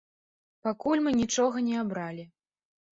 Пакуль мы нічога не абралі.